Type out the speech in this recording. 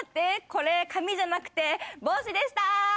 これ髪じゃなくて帽子でした！